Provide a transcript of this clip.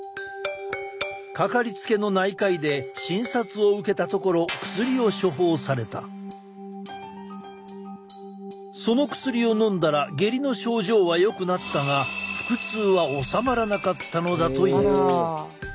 掛かりつけの内科医で診察を受けたところその薬をのんだら下痢の症状はよくなったが腹痛は治まらなかったのだという。